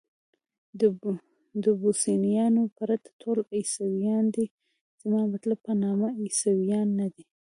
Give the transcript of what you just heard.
د بوسنیایانو پرته ټول عیسویان دي، زما مطلب په نامه عیسویان نه دي.